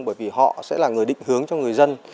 bởi vì họ sẽ là người định hướng cho người dân